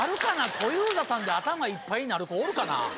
小遊三さんで頭いっぱいになる子おるかな？